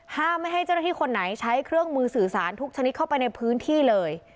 ไม่ให้เจ้าหน้าที่คนไหนใช้เครื่องมือสื่อสารทุกชนิดเข้าไปในพื้นที่เลย